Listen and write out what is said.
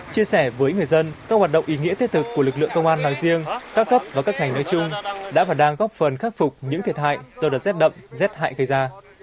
chia sẻ với người dân các hoạt động ý nghĩa thiết thực của lực lượng công an nói riêng các cấp và các ngành nói chung đã và đang góp phần khắc phục những thiệt hại do đợt rét đậm rét hại gây ra